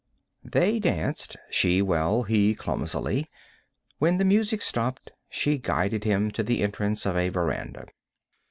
They danced, she well, he clumsily. When the music stopped she guided him to the entrance of a veranda.